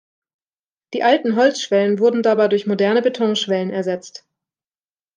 Die alten Holzschwellen wurden dabei durch moderne Betonschwellen ersetzt.